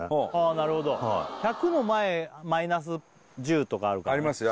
なるほど１００の前マイナス１０とかあるからありますよ